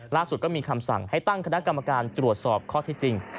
ก็มีคำสั่งให้ตั้งคณะกรรมการตรวจสอบข้อที่จริง